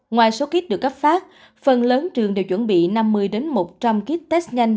ngoài số kit được cấp phát phần lớn trường đều chuẩn bị năm mươi một trăm linh kit test nhanh